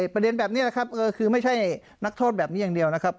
ประเด็นแบบนี้นะครับคือไม่ใช่นักโทษแบบนี้อย่างเดียวนะครับ